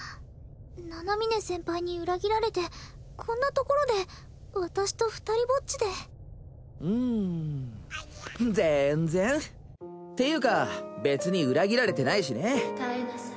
七峰先輩に裏切られてこんな所で私と二人ぼっちでうーんぜーんぜん！っていうかべつに裏切られてないしね耐えなさい